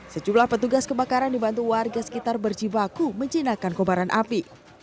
sejumlah petugas kebakaran dibantu warga sekitar berjibaku menjinakkan kobaran api